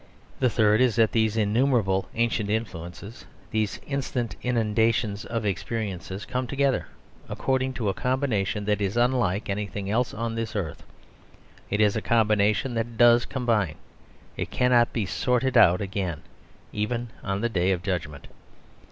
The third is that these innumerable ancient influences, these instant inundations of experiences, come together according to a combination that is unlike anything else on this earth. It is a combination that does combine. It cannot be sorted out again, even on the Day of Judgment.